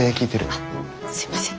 あっすいません。